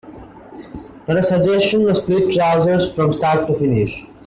Not a suggestion of split trousers from start to finish.